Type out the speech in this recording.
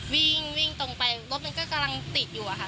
วิ่งวิ่งตรงไปรถมันก็กำลังติดอยู่อะค่ะ